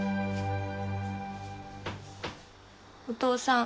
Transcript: お父さん。